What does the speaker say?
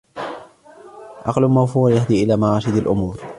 عَقْلٌ مَوْفُورٌ يَهْدِي إلَى مَرَاشِدِ الْأُمُورِ